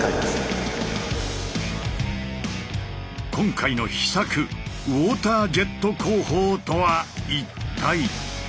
今回の秘策ウォータージェット工法とは一体。